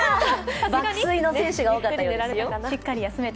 爆睡の選手が多かったそうですよ。